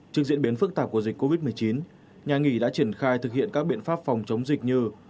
trước diễn biến phức tạp của dịch covid một mươi chín nhà nghỉ đã triển khai thực hiện các biện pháp phòng chống dịch như